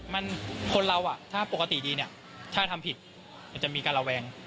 มันคนเราอ่ะถ้าปกติดีเนี่ยถ้าทำผิดมันจะมีการระแวง